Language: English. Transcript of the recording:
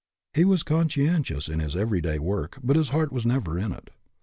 He was conscientious in his everyday work, but his heart was never in it.